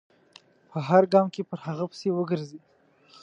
په هر ګام کې پر هغه پسې و ګرځي.